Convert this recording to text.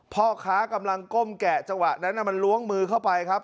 พ่อค้ากำลังก้มแกะจังหวะนั้นมันล้วงมือเข้าไปครับ